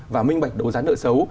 và minh bạch đấu giá nợ xấu